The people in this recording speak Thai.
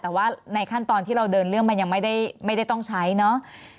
แต่ว่าในขั้นตอนที่เราเดินเรื่องมันยังไม่ได้ต้องใช้เนาะ